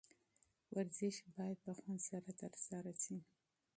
ورزش باید په خوند سره ترسره شي.